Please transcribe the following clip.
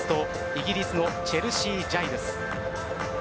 イギリスのチェルシー・ジャイルス。